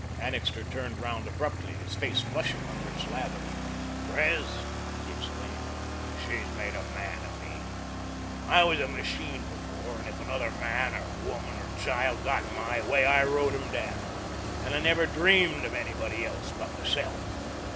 Annixter turned around abruptly, his face flushing under its lather. "Pres," he exclaimed, "she's made a man of me. I was a machine before, and if another man, or woman, or child got in my way, I rode 'em down, and I never DREAMED of anybody else but myself.